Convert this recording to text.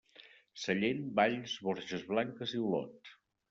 Sallent, Valls, Borges Blanques i Olot.